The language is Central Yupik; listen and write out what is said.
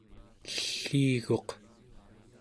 elliiguq